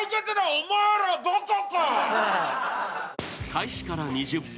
［開始から２０分